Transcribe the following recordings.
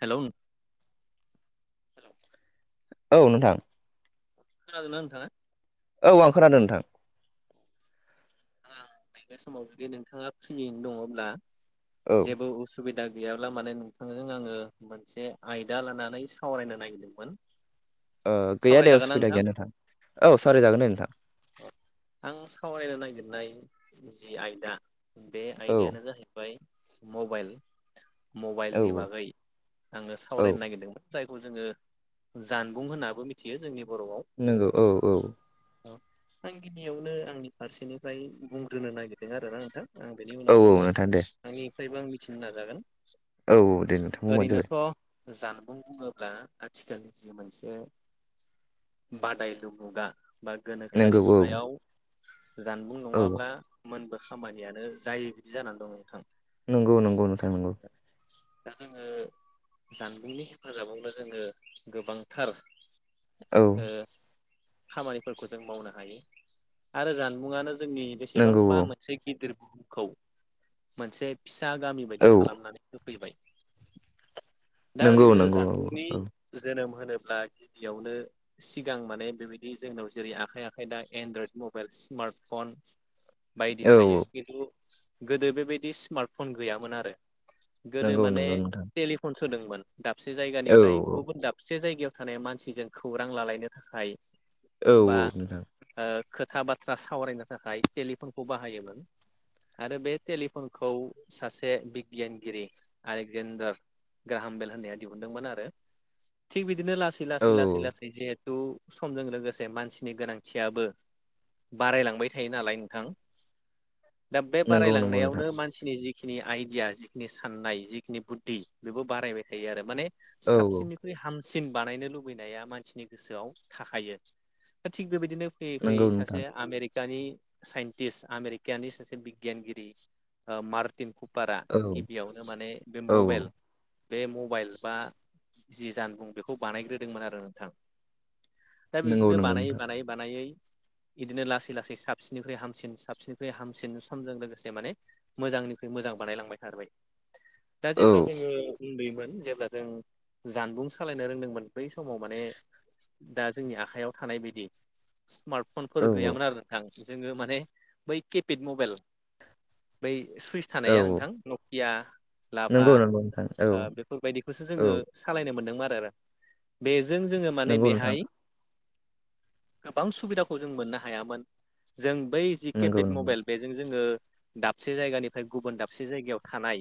Hello नों। औ नोंथां। खोनादोना नोंथांङा? औ आं खोनादों नोंथां। आं नैबे समाव जुदि नोंथाङा फ्रि दङब्ला औ जेबो उसुबिदा गै गैयाब्ला माने नोंथांजों आङो मोनसे आयदा लानानै सावरायनो नागिरदोंमोन। गैया दे सावरायजागोन ना उसुबिदा गैया नोंथां औ सावराय अ जागोन नोंथां। नाय जि आयदा बे औ आयदायानो जाहैबाय। मबाइल औ मबाइलनि बागै आङो औ सावरायनो नागिरदोंमोन जाय जोङो जानबुं होनाबो मिथियो जोंनि नंगौ औ औ। अ आं गिबियावनो आंनि फारसेनिफ्राय बुंग्रोनो नागिरदों आरोना नोंथां। आं बेनि औ उनावबो औ नोंथां दे आंनिफ्रायबो आं मिथिनो नाजागोन। औ दे नोंथांबुंबानो जाबाय। ओरैनोथ' जानबुं बुङोब्ला आथिखालनि जि मोनसे बादायलु मुगा। बा नंगौ गोनोखोआरि औ मुगायाव जानबुं औ नङाब्ला मोनबो खामानियानो जायो बिदि जानानै दं नोंथां। नंगौ नंगौ नोंथां नंगौ। दा जोङो जानबुंनि हेफाजाबावनो जोङो गोबांथार औ ओ खामानिफोरखौ जों मावनो हायो आरो जानबुंआनो। जोंनि नंगौ बेसेबांबा मोनसे गिदिर बुहुमखौ मोनसे फिस सा गामि बायदि औ खालामनानै होफैबाय दा नंगौ ओरैनो नंगौ औ जानबुंनि औ जोनोम होनोब्ला गिबियावनो सिगां माने बेबायदि जोंनाव जेरै आखाइ आखाइ दा एनड्रयड मबाइलस स स्मार्टफन बायदि औ थायो खिन्थु गोदो बेबायदि स्मार्टफन गैयामोन आरो गोदो नंगौ माने नंगौ नोंथां टेलिफन सोदोंमोन। दाबसे औ जायगानिफ्राय गुबुन दाबसे जायगायाव थानाय मानसिजों खौरां लालायनो थाखाय। औ बा औ नोंथां। ओ खोथा बाथ्रा सावरायनो थाखाय टेलिफनखौ बाहायोमोन। आरो बे टेलिफनखौ सासे बिगियानगिरि आलेकजेन्डार। गाहाम बेल होननाया दिहुनदोंमोन आरो थि बिदि। बिदिनो लासै औ लासै लासै लासै जिहेथु समजों लोगोसे मानसिनि गोनांथियाबो। बारायलांबाय थायो नालाय नोंथां दा बे नंगौ नंगौ नोंथां बारायलांनायावनो मानसिनि जि। जिखिनि आइडिया जिखिनि साननाय जिखिनि बुद्धि बेबो बारायबाय थायो आरो माने। औ औ साबसिननिख्रुइ हामसिन। बानायनो लुबैनाया मानसिनि गोसोआव थाखायो थिग बेबायदिनो फैयै फैयै। नंगौ सासे नोंथां आमेरिक। का नि साइन्टिस् आमेरिकानि सासे बिगियानगिरि मार्टिन खू पारा औ गिबियावनो माने बे औ मबाइल। बे मबाइल बा जि जानबुं बेखौ बानायग्रोदोंमोन आरो नोंथां। दा नंगौ बिदिनो नंगौ बानायै- नोंथां बानायै -बानायै। बिदिनो लासै -लासै साबसिननिख्रुइ हामसिन साबसिननिख्रु हामसिन समजों लोगोसे माने मोजांनिख्रुइ मोजां। बानायलांबाय थाबाय दा औ जेब्ला जोङो उन्दैमोन। जेब्ला जों जानबुं सालायनो रोंदोंमोन बै समाव माने। दा जोंनि आखाइायाव थानाय बायदि स्मार्ट। फनफोर औ गैयामोन आरो नोंथां जोङो माने बै केपेड मबाइल बै। सुइस थानाया औ नोंथां नकिया लाभा। नंगौ नंगौ नोंथां औ ओ बेफोरबायदिखौसो औ जोङो सालायनो मोन्दोंमोन आरो। बेजों जोङो माने नंगौ नोंथां बेहाय गोबां सुबिदाखौ। खौ जों मोननो हाया मोन जों बै जि नंगौ केपेड नंगौ मबाइल बेजों जोङो। दाबसे जायगानिफ्राय गुबुन दाबसे जायगायाव थानाय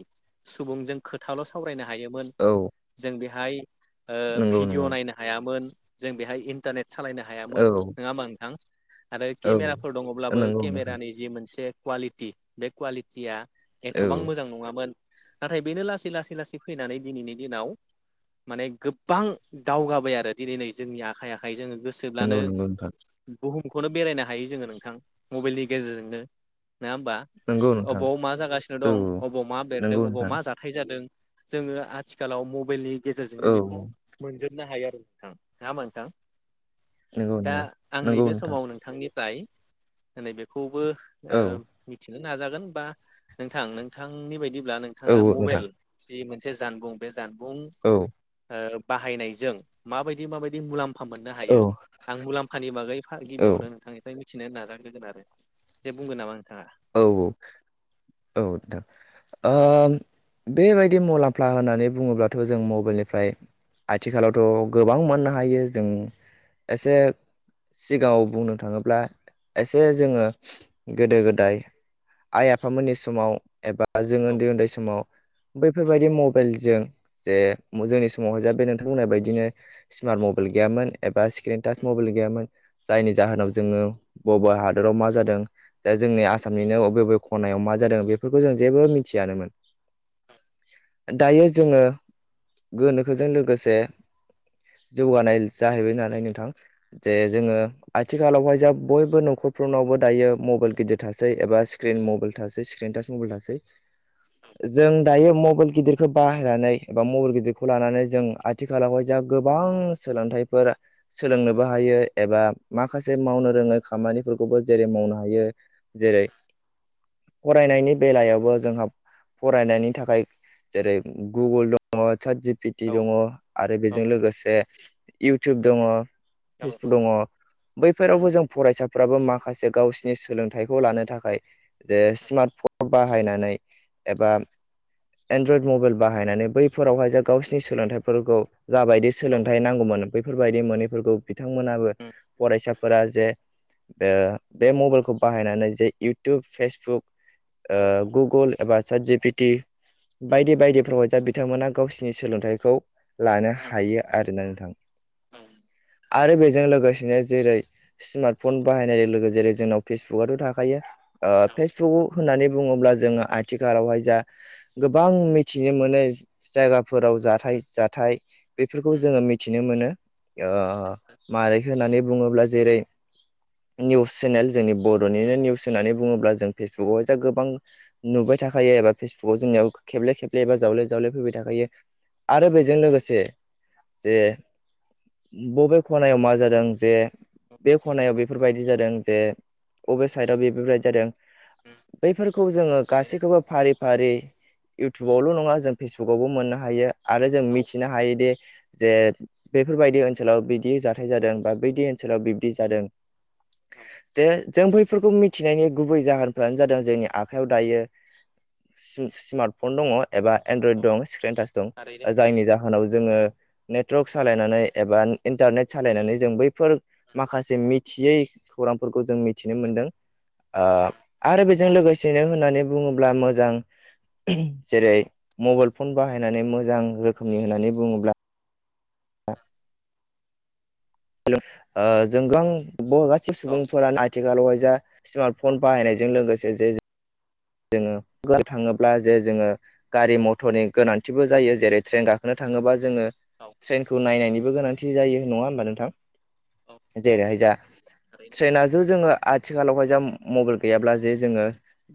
सुबुंजों खोथाल' सावरायनो ह। हायोमोन औ जों बेहाय ओ नंगौ नंगौ भिडिअ' नायनो हायामोन। जों बेहाय इन्टारनेट सालायनो हायामोन औ नङा होमा नोंथां। आरो औ केमेराफोर दङब्लाबो नंगौ नोंथां केमेरानि जि मोनसे क्वालिटि बे क्वालिटिया। औ एथ'बां मोजां नङामोन नाथाय बेनो लासै- लासै -लासै फैनानै दिनैनि दिनाव। माने गोबां दावगाबाय आरो दिनै नै जोंनि आखाइ - आखाइ जोङो। नंगौ गोसोब्लानो -नंगौ नोंथां। बुहुमखौनो बेरायनो हायो जोङो नोंथां मबाइलनि गेजेरजोंनो। नङा होमबा नंगौ नोंथां अबेाव मा जागासिनो औ दं अबाव मा बेरदों नंगौ अबाव नोंथां मा जाथाय जादों। जोङो आथिखालाव मबाइलनि गेजेरजोंनो औ बेखौ मोनजोब। नो हायो आरो नोंथां नङा होमबा नोंथां। नंगौ दा नंगौ। आं नंगौ नैबे नोंथां समाव नोंथांनिफ्राय नैबेखौबो ओ औ मिथि। नाजागोन बा नोंथां नोंथांनि बायदिब्ला औ नोंथाङा औ नोंथां मबाइल जि मोनसे। मोनसे जानबुं बे जानबुं औ ओ बाहायनायजों माबायदि माबायदि मुलाम। फा मोननो हायो औ आं मुलाम्फानि बागै औ गिबियावनो नोंथांनिफ्राय। मिथिनो नाजाग्रोगोन आरो जे बुंगोन नामा। नोंथाङा औ -औ -औ नोंथां ओ। बेबायदि मुलाम्फा होननानै बुङोब्लाथ' जों मबाइलनिफ्राय। आथिखालावथ' गोबां मोननो हायो जों एसे। सिगाङाव बुंनो थाङोब्ला एसे जोङो गोदो - गोदाय। आइ आफामोननि समाव एबा जों औ उन्दै - उन्दै समाव। बैफोरबायाददि मबाइलजों। जे जोंनि समावहाय जा बे नोंथांमोनहा बायदिनो स्मार्ट मबाइल गैयामोन एबा स्क्रिनटाच म। मबाइल गैयामोन जायनि जाहोनाव जो बबा हादोराव मा जादों दा जोंनि आसाम। आसामनिनो बबे- बबे खनायाव मा जादों बेफोरखौ जों जेबो मिथियानोमोन। दायो जोङो गोनोखोजों लोगोसे। जौगानाय जाहैबाय नालाय नोंथां। जे जोङो आथिखालावहाय जा बयबो न'खरफोरनावबो दायो मबाइल गिदिर थासै। थै एबा स्क्रिन मबाइल थासै स्क्रिनटाच मबाइल थासै। जों दायो मबाइल गिदिरखौ बाहायनानै एबा मबाइल गिदिरखौ लानानै जों आथिखालावहाय जा गोबां सोलोंथाइफोर सोलोंनोबो हायो एबा माखासे मावनो रोङै खामानि- फोरखौबो जेरै मावनो हायो। जेरै- फरायनायनि बेलायावबो जोंहा फरायनायनि थाखाय जेरै गुगोल दङ, चात जि पि टि औ दङ आरो बेजों लोगोसे इउटुब दङ, फेसबुक दङ बैफोरावबो जों फरायसाफोराबो माखासे गावसिनि सोलोंथाइ- खौ लानो थाखाय जे स्मार्ट फन बाहायनानै एबा एनड्रइड मबाइल बाहायनानै बैफोरावहाय जा गावसिनि सोलोंथाइफोरखौ जाबायदि सोलोंथाइ नांगौमोन। बेफोरबायदि मोनैफोरखौ बिथांमोनाबो फरायसाफोरा जे ओ बे मबाइलखौ बाहायनानै जे इउटुब, फेसबुक गुगोल एबा चात जि पि टि बायदि बायदिफ्रावहाय जा बिथांमोना गावसिनि सोलोंथाइखौ लानो हायो आरोना नोंथां। आरो थारैनो बेजों लोगोसेनो जेरै स्मार्ट फन बाहायनाय लोगोलोगो जेरै जोंनाव फेस- बुकआथ थाखायो। ओ फेसबुक होननानै बुङोब्ला जोङो आथिखालावहाय जा गोबां मिथिनो मोनै जायगाफोराव जाथाय जानाय बेफोरखौ जोङो मिथिनो मोनो। ओ मारै होन्नानै बुङोब्ला जेरै निउस चेनेल जोंनि बर'- निनो निउस होननानै बुङोब्ला जों फेसबुकावहाय जा गोबां नुबाय थाखायो एबा फेसबुकआव जोंनियाव खेबले खेबले एबा जावले जावले फैबाय थाखायो। आरो बेजों लोगोसे जे बबे खनायाव मा जादों जे बे खनायाव बेफोरबायदि जादों जे अबे साइदआव बेफोरबायदि जादों। बैफोरखौ जोङो गासैखौबो फारि फारि इउटुबावल' नङा जों फेसबुकावबो मोननो हायो आरो जों औ मिथिनो हायोदि। जे बेफोरबायदि ओनसोलाव बिदि जाथाय जादों बा बैदि ओनसोलाव बिब्दि जादों। औ दा। जों बैफोरखौ मिथिनायनि गुबै जाहोनफ्रानो जादों जोंनि आखाइआव दायो। स्मार्टफन दङ एबा एनड्रयड औ दं स्क्रिनटाच दं थारैनो जायनि जाहोनाव जोङो। नेटवार्क सालायनानै एबा इन्टारनेट सालायनानै जों बैफोर माखासे मिथियै खौरांफोरखौ जों मिथिनो मोनदों। ओ आरो बेजों लोगोसेनो होननानै बुङोब्ला मोजां जेरै मबाइल फन बाहायनानै मोजां रोखोमनि होननानै बुङोब्ला हा। ओ जों गोबां गासै औ सुबुंफोरानो आथिखालावहाय जा स्मार्ट फन बाहायनायजों लोगोसे जे जोङो बुंनो थाङोब्ला जे जोङो गारि-मटरनि गोनांथिबो जायो, जेरै ट्रेन गाखोनो थाङोब्ला जोङो ट्रेननखौ नायनायनिबो गोनांथि जायो नङा होमबा नोंथां। जेरैहाय जा ट्रेनाथ जोङो आथिखालावहाय जा मबाइल गैयाब्ला जे जोङो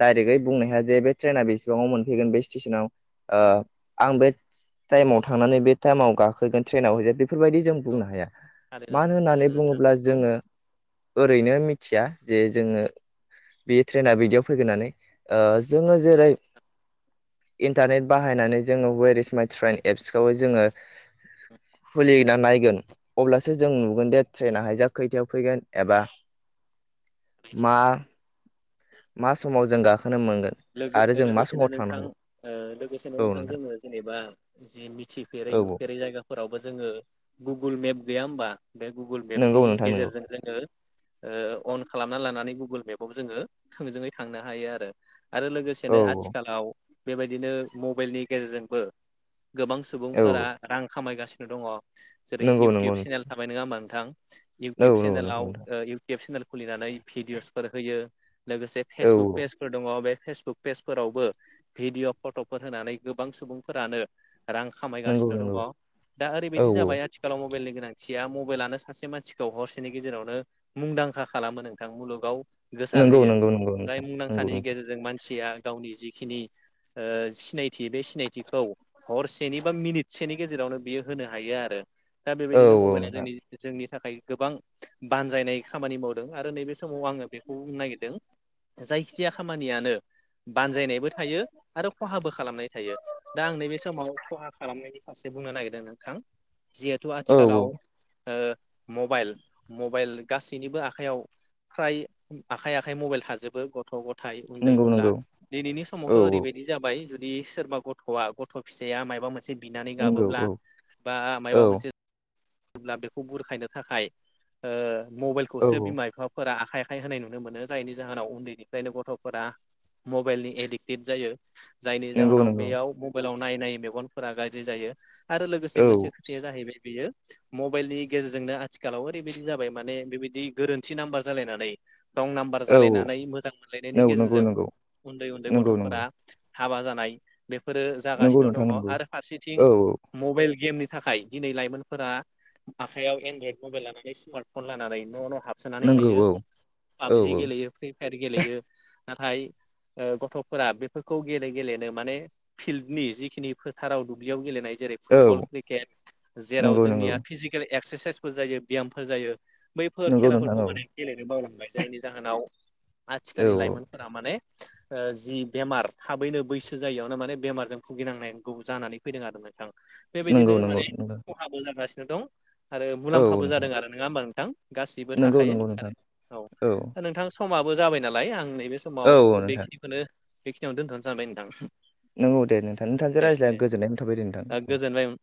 डाइरेकगै बुंनो हाया जे बे ट्रेना बेसेबाङाव मोनफैगोन बे स्टेसनाव, ओ आं बे टाइमाव थांनांगोन। मानि बे टाइमाव गाखोगोन ट्रेनाव जे बेफोरबायदि जों बुंनो हाया। थारैनो मानो होननानै थारैनो नोंथां बुङोब्ला नंगौ जोङो। ओरैनो मिथिया जे जोङो बे ट्रेना बिदियाव फैगोन होन्नानै। ओ जोङो जेरै- थारैनो इन्टारनेट बाहायनानै जोङो हवेर इस माय ट्रेन एपसखौ जोङो। खुलिना नायगोन अब्लासो जों नुगोन जे ट्रेनाहाय जा खैथायाव फैगोन एबा [inaudible] मा? मा समाव जों गाखोगोन। लोगो लोगोसेनो नोंथां लोगोसेनो नोंथां जोङो जेनेबा जे मिथिफेर रै औ औ नुफेरै जायगाफोरावबो जोङो गुगोल मेप गैया होमबाफाश्र बे गुगोल नंगौ मेपनि नोंथां नंगौ गेजेरजों जोङो ओ अन खालामना लानानै गुगोल मेपाव जोङो थोंजोङै थांनो हायो आरो। आरो औ लोगोसेनो आथिखालाव बेबायदिनो मबाइलनि गेजेरजोंबो गोबां औ सुबुंफोरा रां खामायगासिनो दङ। जेरै नंगौ नंगौ इउटुब चेनेल थाबाय नङा होमा नोंथां नोंथां औ इउटुब नंगौ नोंथां चेनेलावउुब सेनेल खुलिनानै भिडिअसफोर होयो लोगोसे औ फेसबुक पेज औ दङ बे फेसबुक पेजफोरावबो भिडिअ फटफोर होनानै गोबां सुबुंफोरानो। रां खामायगासिनो नंगौ दङ नंगौ दा औ ओरैबायदि औ जाबाय आथिखालाव मबाइलनि गोनांथिया मबाइलानो सासे मानसिखौ हरसेनि गेजेरावनो मुंदांखा खालामो नोंथां मुलुगाव नंगौ नंगौ नंगौ नोथां। नि गेजेरजों मानसिया गावनि जि खिनि ओ सिनायथि बे सिनायथिखौ हरसेनि बा मिनिटसेनि गेजेरावनो बियो हो होनो हायो आरो। दा औ बेबायदिनो औ मबाइला नोंथां जोंनि जोंनि थाखाय गोबां बानजायनाय खामानि मावदों। आरो नैबे समाव आङो बेखौ बुंनो नागिरदों जायखि खिया खामानियानो बानजायनायबो थायो आरो खहाबो खालामनाय थायो दा आं नैबे समाव खहा खालामनायनि फारसे बुंनो नागिरदों नोंथां जिहेथु औ आथिखालाव औ ओ मबाइल मबाइल गासैनिबो आखाइयाव फ्राय आखाइ आखाइ मबाइल थाजोबो। गथ गथाय उन्दै नंगौ उनला नंगौ दिनैनि समावथ औ औ ओरैबायदि जाबाय बि सोरबा गथआ गथ फिसाया मायबा मोनसे बिनानै नंगौ गाबोब्ला औ बा औ मायबा मोनसे अब्ला बेखौ बुरखायनो थाखाय ओ मबाइलखौसो औ बिमा बिफाफोरा आखायखाय होनाय नुनो मोनो जायनि जाहोनाव उन्दैनिफ्रायनो गथ'फोरा मबाइलनि एडिक्टेड जायो। जायनि नंगौ जाहोनाव नंगौ बेयाव मबाइलाव नाय नायै मेगनफोरा गाज्रि जायो। आरो लोगोसे औ मोनसे खोथाया जाहैबाय बेयो मबाइलनि गेजेरजोंनो आथिखालाव ओरैबायदि जाबाय माने बेबायदि गोरोन्थि नाम्बार जालायनानै रं नाम्बार औ जालायनानै मोजां मोनलायनायनि नंगौ नंगौ गेजेरजों नंगौ उन्दै उन्दै नंगौ गथफोरा हाबा जानाय बेफोरो नंगौ जागासिनो दङ नोंथां नंगौ आरो फारसेथिं औ औ मबाइल गेमनि थाखाय दिनै लाइमोनफोरा आखाइयाव एनड्रयड मबाइल लानानै स्मार्ट फन लानानै न न हाबसोनानै नंगौ थायो औ औ पाबजि औ गेलेयो फ्रि फायार गेलेयो नाथाय ओ गथफोरा बेफोरखौ गेले गेलेनो माने फिल्डनि जिखिनि फोथाराव दुब्लियाव गेलेनाय जेरै फुटबल औ क्रिकेट जेराव नंगौ नंगौ जोंनिया फिजिकेल एक्सारसाइसफोर जायो बेयामफोर जायो। बैफोर नंगौ नोंथां खेलाफोरखौ औ माने गेलेनो बावलांबाय जायनि जाहोनाव औ आथिखालनि औ लाइमोनफोरा माने ओ जि बेमार थाबैनो बैसो जायियावनो माने बेमारजों भुगिनांनांगौ जानानै फैदों आरो मान नंगौ बेबायदिनो नंगौ माने नंगौ जागासिनो दं आरो औ मुलाम्फाबो नोंथां जादों आरो नङा होमबा नोंथां? गासिबो नंगौ थाखायो नंगौ आरो नोंथां औ नोंथां समाबो जाबाय नालाय आं नैबे समाव औ औ नोंथां बेखिनिखौनो बेखिनिआवनो दोनथनो सानबाय नोंथां। नंगौ दे नोंथां नोंथांजों दे दे रायज्लाया गोजोननाय थाबाय दे नोंथां दा औ। गोजोनबाय